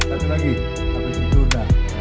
lagi lagi sampai situ sudah